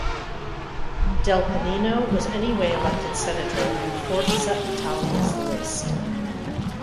Del Pennino was anyway elected senator on Forza Italia's list.